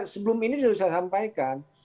sebelum ini sudah saya sampaikan